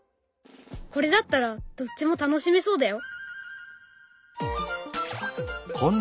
これだったらどっちも楽しめそうだよ！